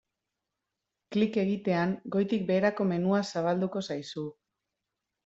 Klik egitean goitik-beherako menua zabalduko zaizu.